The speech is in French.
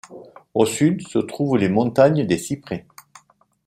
Au sud se trouvent les Montagnes des Cyprès.